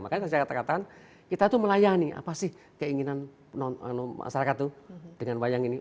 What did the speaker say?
makanya saya katakan kita tuh melayani apa sih keinginan masyarakat itu dengan wayang ini